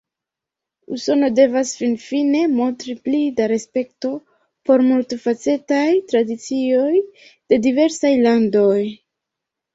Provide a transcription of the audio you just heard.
Usono devas finfine montri pli da respekto por multfacetaj tradicioj de diversaj landoj.